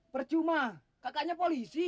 percuma kakaknya polisi